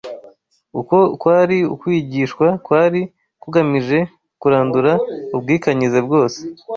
Uko kwari ukwigishwa kwari kugamije kurandura ubwikanyize bwose,